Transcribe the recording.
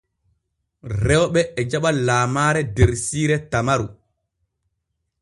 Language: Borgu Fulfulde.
Rewɓe e jaɓa lamaare der siire Tamaru.